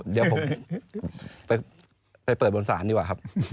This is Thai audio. เดี๋ยวผมไปเปิดบนศาลดีกว่าครับ